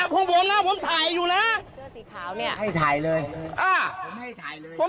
ผมผิดอะไรครับ